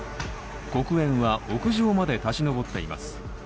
黒煙は屋上まで立ち上っています。